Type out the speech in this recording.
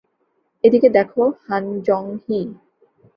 এদিকে দেখ, হান জং-হি।